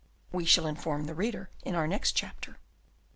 We shall inform the reader in our next chapter.